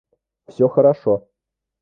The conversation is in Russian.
Всё хорошо